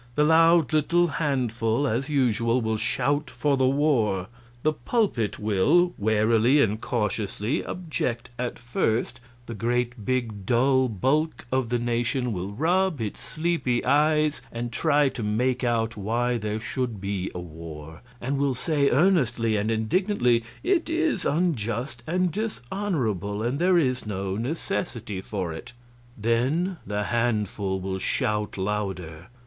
The loud little handful as usual will shout for the war. The pulpit will warily and cautiously object at first; the great, big, dull bulk of the nation will rub its sleepy eyes and try to make out why there should be a war, and will say, earnestly and indignantly, "It is unjust and dishonorable, and there is no necessity for it." Then the handful will shout louder.